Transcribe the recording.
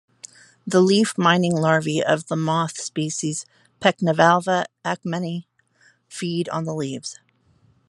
The leaf-mining larvae of the moth species "Pectinivalva acmenae" feed on the leaves.